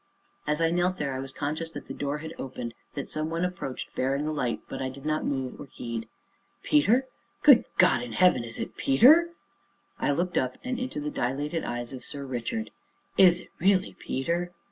As I knelt there, I was conscious that the door had opened, that some one approached, bearing a light, but I did not move or heed. "Peter? good God in heaven! is it Peter?" I looked up and into the dilated eyes of Sir Richard. "Is it really Peter?"